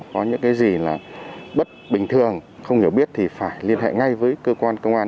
có những cái gì là bất bình thường không hiểu biết thì phải liên hệ ngay với cơ quan công an